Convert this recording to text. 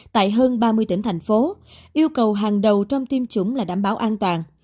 tại hơn ba mươi tỉnh thành phố yêu cầu hàng đầu trong tiêm chủng là đảm bảo an toàn